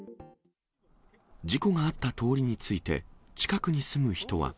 事故があった通りについて、近くに住む人は。